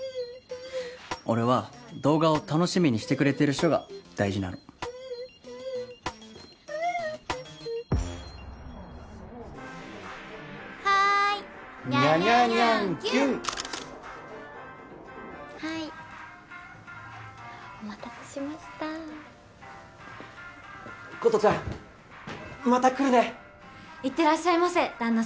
俺は動画を楽しみにしてくれてる人が大事なのはいにゃにゃにゃんきゅんはいお待たせしました琴ちゃんまた来るねいってらっしゃいませ旦那